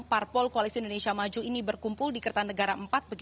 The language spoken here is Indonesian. parpol koalisi indonesia maju ini berkumpul di kertanegara empat